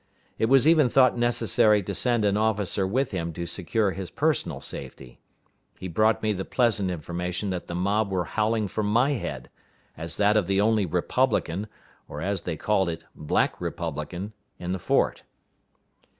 It was even thought necessary to send an officer with him to secure his personal safety. He brought me the pleasant information that the mob were howling for my head, as that of the only Republican, or, as they called it, "Black Republican," in the fort.